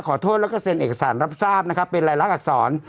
ขอโทษแล้วก็เซ็นเอกสารรับทราบนะครับเป็นรายลักษณอักษร